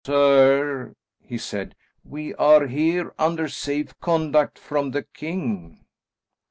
"Sir," he said, "we are here under safe conduct from the king."